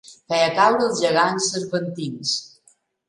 Feia caure els gegants cervantins.